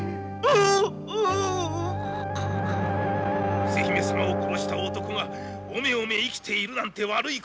伏姫様を殺した男がおめおめ生きているなんて悪いことです。